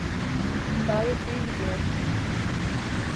Gayet iyi gidiyorsun.